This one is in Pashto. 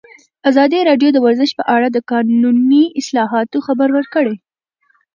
ازادي راډیو د ورزش په اړه د قانوني اصلاحاتو خبر ورکړی.